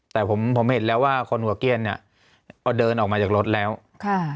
แต่ผมผมเห็นแล้วว่าคนหัวเกี้ยนเนี่ยพอเดินออกมาจากรถแล้วค่ะ